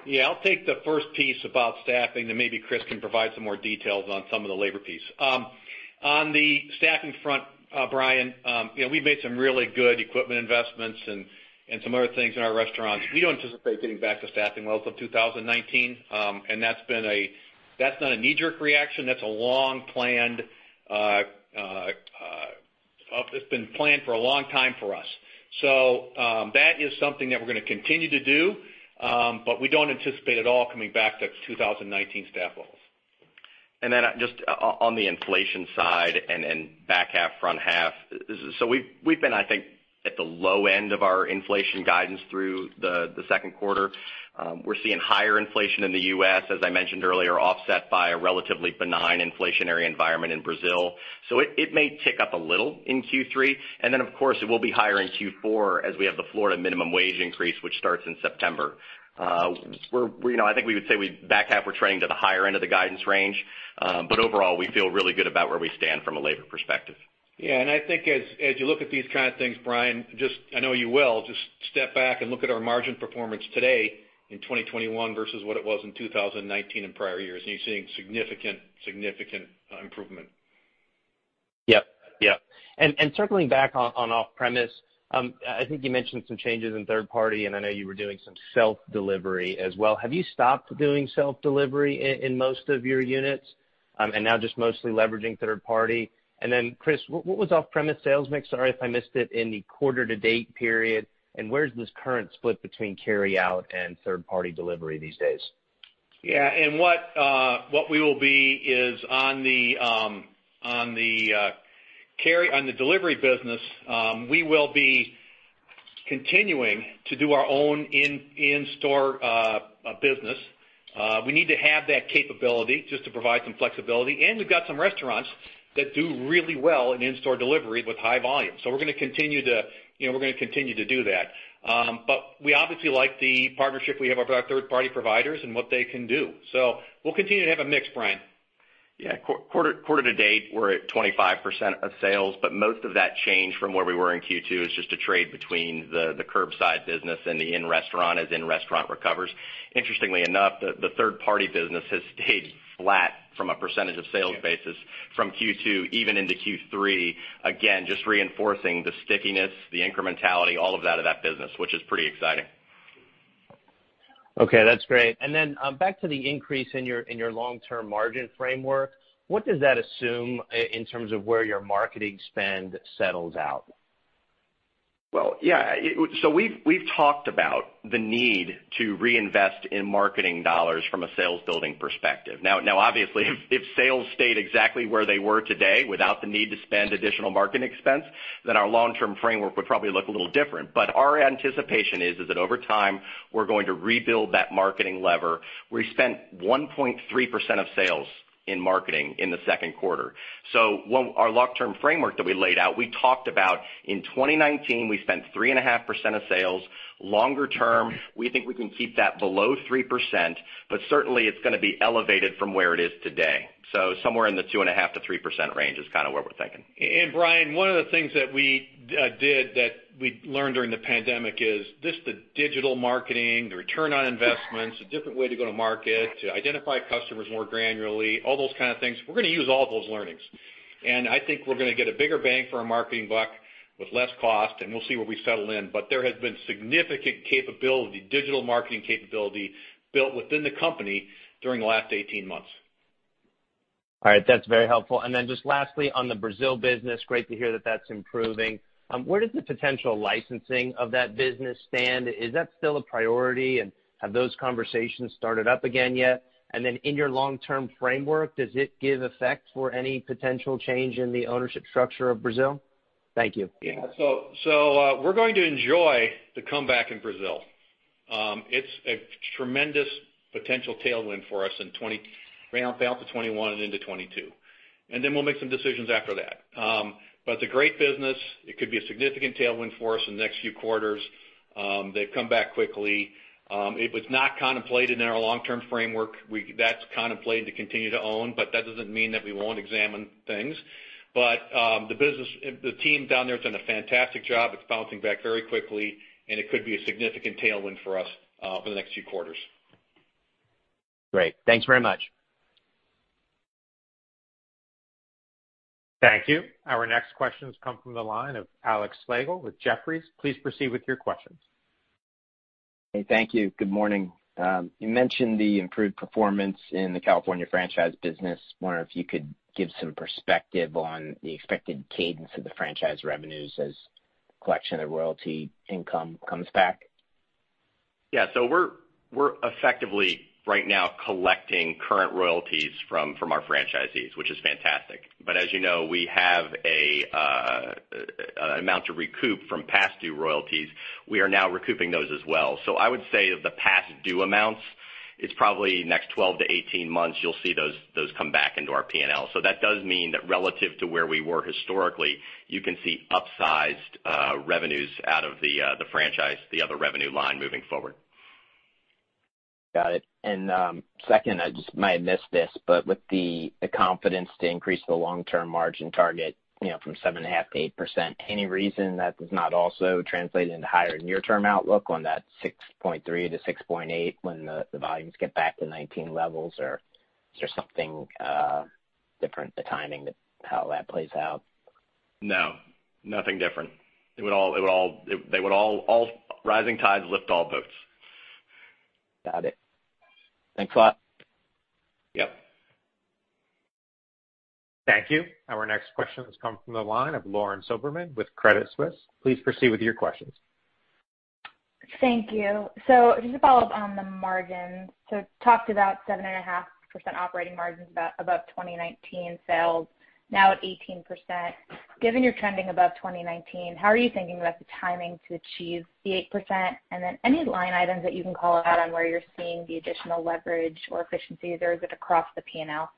Yeah, I'll take the first piece about staffing, then maybe Chris can provide some more details on some of the labor piece. On the staffing front, Brian, we've made some really good equipment investments and some other things in our restaurants. We don't anticipate getting back to staffing levels of 2019. And that's not a knee-jerk reaction. That's been planned for a long time for us. That is something that we're going to continue to do, but we don't anticipate at all coming back to 2019 staff levels. Then just on the inflation side and back half, front half. We've been, I think, at the low end of our inflation guidance through the second quarter. We're seeing higher inflation in the U.S., as I mentioned earlier, offset by a relatively benign inflationary environment in Brazil. It may tick up a little in Q3, and then of course, it will be higher in Q4 as we have the Florida minimum wage increase, which starts in September. I think we would say back half, we're trending to the higher end of the guidance range. Overall, we feel really good about where we stand from a labor perspective. Yeah, and I think as you look at these kind of things, Brian, I know you will, just step back and look at our margin performance today in 2021 versus what it was in 2019 and prior years, and you're seeing significant improvement. Yep. Circling back on off-premise. I think you mentioned some changes in third party, and I know you were doing some self-delivery as well. Have you stopped doing self-delivery in most of your units and now just mostly leveraging third party? Chris, what was off-premise sales mix? Sorry if I missed it in the quarter-to-date period. Where's this current split between carry out and third party delivery these days? Yeah. What we will be is on the delivery business, we will be continuing to do our own in-store business. We need to have that capability just to provide some flexibility. We've got some restaurants that do really well in in-store delivery with high volume. We're going to continue to do that. We obviously like the partnership we have with our third-party providers and what they can do. We'll continue to have a mix, Brian. Yeah. Quarter-to-date, we're at 25% of sales. Most of that change from where we were in Q2 is just a trade between the curbside business and the in-restaurant as in-restaurant recovers. Interestingly enough, the third-party business has stayed flat from a percentage of sales basis from Q2 even into Q3, again, just reinforcing the stickiness, the incrementality, all of that of that business, which is pretty exciting. Okay, that's great. Then back to the increase in your long-term margin framework, what does that assume in terms of where your marketing spend settles out? We've talked about the need to reinvest in marketing dollars from a sales building perspective. Obviously, if sales stayed exactly where they were today without the need to spend additional marketing expense, then our long-term framework would probably look a little different. Our anticipation is that over time, we're going to rebuild that marketing lever. We spent 1.3% of sales in marketing in the 2Q. Our long-term framework that we laid out, we talked about in 2019, we spent 3.5% of sales. Longer-term, we think we can keep that below 3%, but certainly, it's going to be elevated from where it is today. Somewhere in the 2.5%-3% range is kind of where we're thinking. Brian, one of the things that we did that we learned during the pandemic is just the digital marketing, the return on investments, a different way to go to market, to identify customers more granularly, all those kind of things. We're going to use all those learnings. I think we're going to get a bigger bang for our marketing buck with less cost, and we'll see where we settle in. There has been significant capability, digital marketing capability, built within the company during the last 18 months. All right. That's very helpful. Just lastly, on the Brazil business, great to hear that that's improving. Where does the potential licensing of that business stand? Is that still a priority, and have those conversations started up again yet? In your long-term framework, does it give effect for any potential change in the ownership structure of Brazil? Thank you. Yeah. We're going to enjoy the comeback in Brazil. It's a tremendous potential tailwind for us throughout 2021 and into 2022. Then we'll make some decisions after that. It's a great business. It could be a significant tailwind for us in the next few quarters. They've come back quickly. It was not contemplated in our long-term framework. That's contemplated to continue to own, but that doesn't mean that we won't examine things. The team down there has done a fantastic job. It's bouncing back very quickly, and it could be a significant tailwind for us for the next few quarters. Great. Thanks very much. Thank you. Our next questions come from the line of Alex Slagle with Jefferies. Please proceed with your questions. Hey, thank you. Good morning. You mentioned the improved performance in the California franchise business. Wondering if you could give some perspective on the expected cadence of the franchise revenues as collection of royalty income comes back. Yeah. We're effectively right now collecting current royalties from our franchisees, which is fantastic. As you know, we have an amount to recoup from past due royalties. We are now recouping those as well. I would say of the past due amounts, it's probably next 12 to 18 months, you'll see those come back into our P&L. That does mean that relative to where we were historically, you can see upsized revenues out of the franchise, the other revenue line moving forward. Got it. Second, I just might have missed this, but with the confidence to increase the long-term margin target from 7.5% to 8%, any reason that does not also translate into higher near-term outlook on that 6.3% to 6.8% when the volumes get back to 2019 levels? Is there something different, the timing, how that plays out? No, nothing different. Rising tides lift all boats. Got it. Thanks a lot. Yep. Thank you. Our next question comes from the line of Lauren Silberman with Credit Suisse. Please proceed with your questions. Thank you. Just a follow-up on the margins. Talked about 7.5% operating margins above 2019 sales, now at 18%. Given you're trending above 2019, how are you thinking about the timing to achieve the 8%? Any line items that you can call out on where you're seeing the additional leverage or efficiency there as it across the P&L?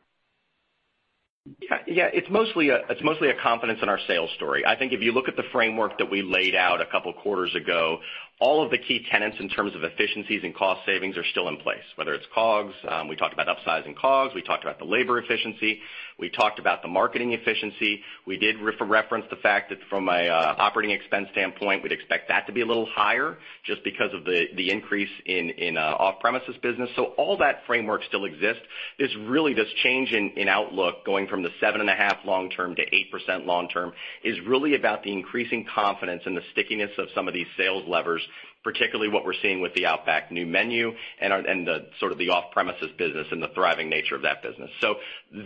It's mostly a confidence in our sales story. I think if you look at the framework that we laid out a couple of quarters ago, all of the key tenets in terms of efficiencies and cost savings are still in place, whether it's COGS. We talked about upsizing COGS, we talked about the labor efficiency, we talked about the marketing efficiency. We did reference the fact that from an operating expense standpoint, we'd expect that to be a little higher just because of the increase in off-premises business. All that framework still exists. It's really this change in outlook going from the 7.5% long-term to 8% long-term is really about the increasing confidence and the stickiness of some of these sales levers, particularly what we're seeing with the Outback new menu and sort of the off-premises business and the thriving nature of that business.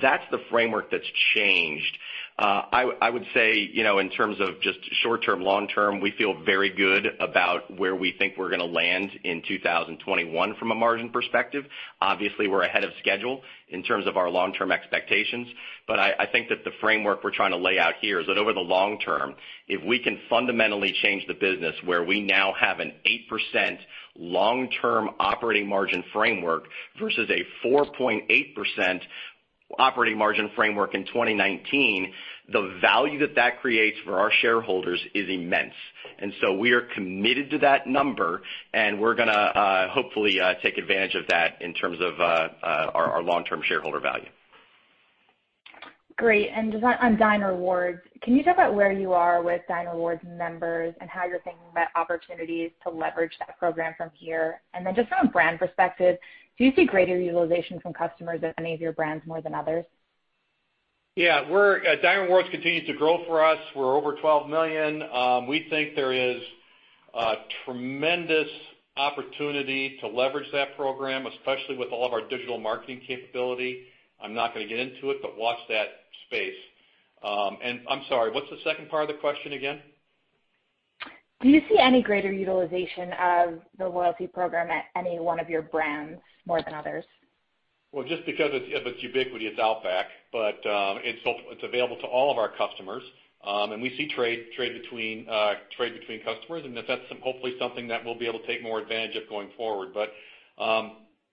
That's the framework that's changed. I would say, in terms of just short-term, long-term, we feel very good about where we think we're going to land in 2021 from a margin perspective. Obviously, we're ahead of schedule in terms of our long-term expectations. I think that the framework we're trying to lay out here is that over the long term, if we can fundamentally change the business where we now have an 8% long-term operating margin framework versus a 4.8% operating margin framework in 2019, the value that that creates for our shareholders is immense. We are committed to that number, and we're going to hopefully take advantage of that in terms of our long-term shareholder value. Great. Just on Dine Rewards, can you talk about where you are with Dine Rewards members and how you're thinking about opportunities to leverage that program from here? Then just from a brand perspective, do you see greater utilization from customers at any of your brands more than others? Yeah. Dine Rewards continues to grow for us. We're over 12 million. We think there is a tremendous opportunity to leverage that program, especially with all of our digital marketing capability. I'm not going to get into it, but watch that space. I'm sorry, what's the second part of the question again? Do you see any greater utilization of the loyalty program at any one of your brands more than others? Well, just because of its ubiquity, it's Outback, but it's available to all of our customers. We see trade between customers, and that's hopefully something that we'll be able to take more advantage of going forward.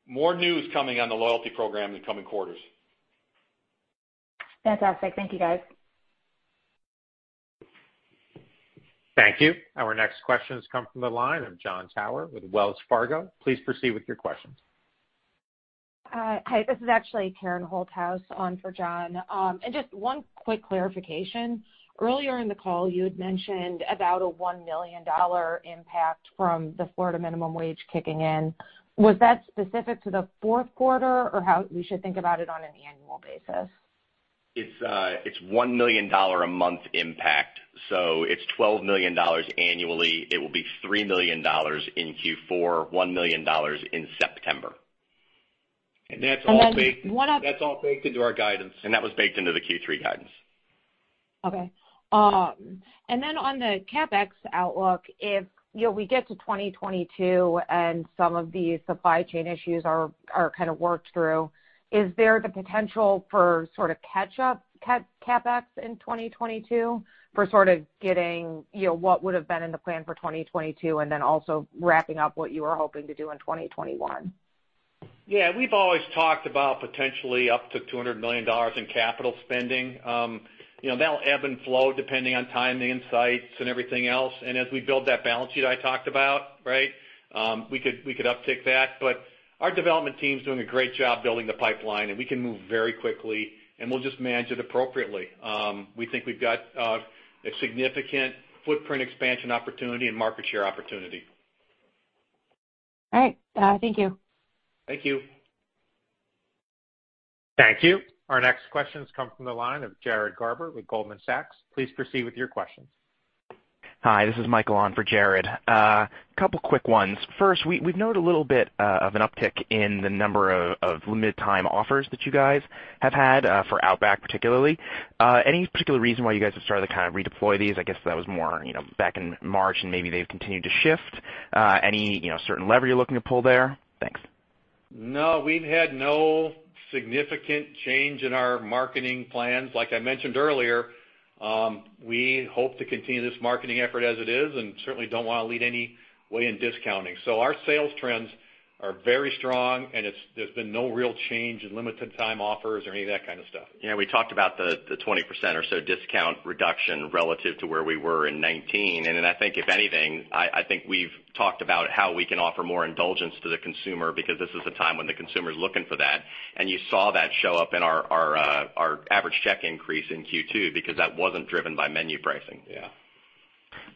More news coming on the loyalty program in coming quarters. Fantastic. Thank you, guys. Thank you. Our next question has come from the line of Jon Tower with Wells Fargo. Please proceed with your questions. Hi, this is actually Karen Holthouse on for John. Just one quick clarification. Earlier in the call, you had mentioned about a $1 million impact from the Florida minimum wage kicking in. Was that specific to the fourth quarter, or how we should think about it on an annual basis? It's a $1 million a month impact, so it's $12 million annually. It will be $3 million in Q4, $1 million in September. That's all baked into our guidance. That was baked into the Q3 guidance. Okay. On the CapEx outlook, if we get to 2022 and some of these supply chain issues are kind of worked through, is there the potential for sort of catch up CapEx in 2022 for sort of getting what would've been in the plan for 2022, and then also wrapping up what you were hoping to do in 2021? Yeah. We've always talked about potentially up to $200 million in capital spending. That'll ebb and flow depending on timing insights and everything else. As we build that balance sheet I talked about, we could uptick that. Our development team's doing a great job building the pipeline, and we can move very quickly, and we'll just manage it appropriately. We think we've got a significant footprint expansion opportunity and market share opportunity. All right. Thank you. Thank you. Thank you. Our next question comes from the line of Jared Garber with Goldman Sachs. Please proceed with your questions. Hi, this is Michael on for Jared. Couple quick ones. First, we've noted a little bit of an uptick in the number of limited time offers that you guys have had, for Outback particularly. Any particular reason why you guys have started to kind of redeploy these? I guess that was more back in March, and maybe they've continued to shift. Any certain lever you're looking to pull there? Thanks. No, we've had no significant change in our marketing plans. Like I mentioned earlier, we hope to continue this marketing effort as it is, and certainly don't want to lead any way in discounting. Our sales trends are very strong, and there's been no real change in limited time offers or any of that kind of stuff. Yeah, we talked about the 20% or so discount reduction relative to where we were in 2019. I think if anything, I think we've talked about how we can offer more indulgence to the consumer because this is a time when the consumer's looking for that. You saw that show up in our average check increase in Q2 because that wasn't driven by menu pricing. Yeah.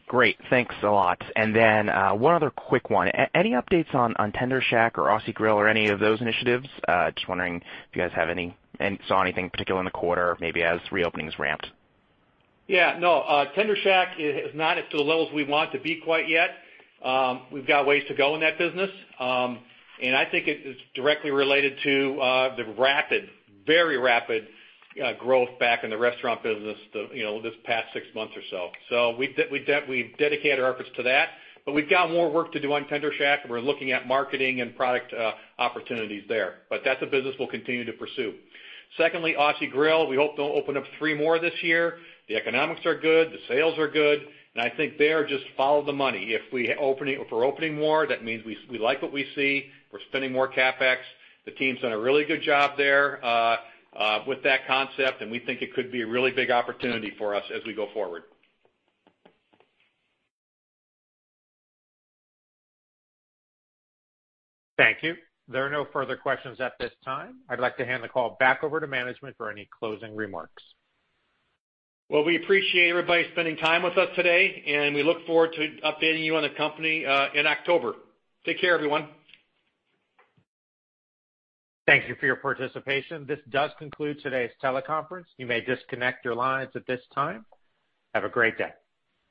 Great. Thanks a lot. One other quick one. Any updates on Tender Shack or Aussie Grill or any of those initiatives? Just wondering if you guys have any and saw anything particular in the quarter, maybe as reopenings ramped. Yeah, no. Tender Shack is not up to the levels we want to be quite yet. We've got ways to go in that business. I think it is directly related to the rapid, very rapid growth back in the restaurant business this past six months or so. We dedicated our efforts to that. We've got more work to do on Tender Shack, and we're looking at marketing and product opportunities there. That's a business we'll continue to pursue. Secondly, Aussie Grill, we hope to open up three more this year. The economics are good, the sales are good, and I think there just follow the money. If we're opening more, that means we like what we see. We're spending more CapEx. The team's done a really good job there with that concept, and we think it could be a really big opportunity for us as we go forward. Thank you. There are no further questions at this time. I'd like to hand the call back over to management for any closing remarks. We appreciate everybody spending time with us today, and we look forward to updating you on the company in October. Take care, everyone. Thank you for your participation. This does conclude today's teleconference. You may disconnect your lines at this time. Have a great day.